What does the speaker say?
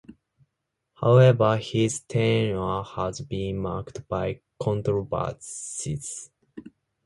However, his tenure has been marked by controversies.